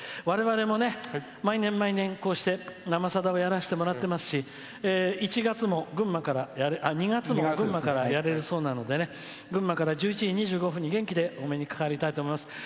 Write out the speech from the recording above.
われわれもね、毎年毎年こうして「生さだ」をやらせてもらってますし２月も群馬からやれるそうなのでね、群馬から１１時２５分に元気にお目にかかりたいと思います。